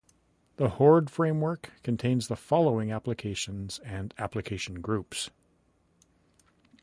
The Horde framework contains the following applications and application groups.